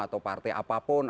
atau partai apapun